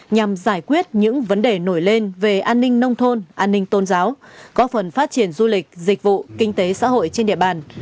nhằm giải quyết những vấn đề nổi lên về an ninh nông thôn an ninh tôn giáo góp phần phát triển du lịch dịch vụ kinh tế xã hội trên địa bàn